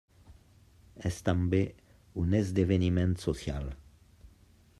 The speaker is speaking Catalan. És també un esdeveniment social.